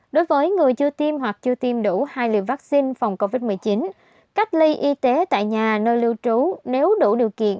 đối với người chưa tiêm hoặc chưa tiêm đủ hai liều vaccine phòng covid một mươi chín cách ly y tế tại nhà nơi lưu trú nếu đủ điều kiện